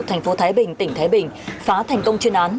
thành phố thái bình tỉnh thái bình phá thành công chuyên án